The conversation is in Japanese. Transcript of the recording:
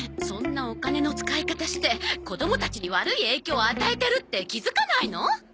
そんなお金の使い方して子供たちに悪い影響を与えてるって気付かないの？